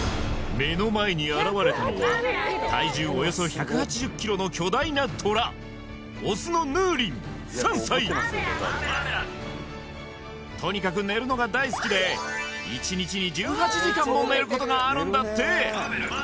目の前に現れたのは体重およそ１８０ｋｇの巨大なトラオスのヌーリン３歳とにかく寝るのが大好きでも寝ることがあるんだって